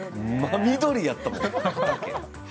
真緑やったもん。